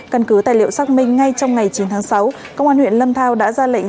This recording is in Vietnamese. căn cứ tài liệu xác minh ngay trong ngày chín tháng sáu công an huyện lâm thao đã ra lệnh